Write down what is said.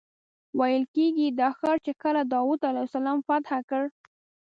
ویل کېږي دا ښار چې کله داود علیه السلام فتح کړ.